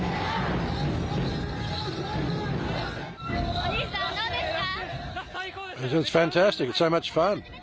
お兄さん、どうですか？